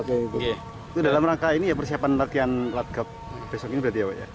oke dalam rangka ini ya persiapan latihan latkap besok ini berarti ya pak ya